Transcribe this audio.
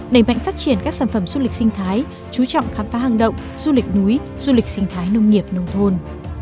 đẩy mạnh phát triển các sản phẩm du lịch sinh thái chú trọng khám phá hàng động du lịch núi du lịch sinh thái nông nghiệp nông thôn